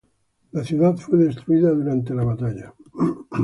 La ciudad fue destruida durante la batalla.